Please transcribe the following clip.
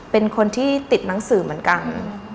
เป็นคนที่ติดหนังสือเหมือนกัน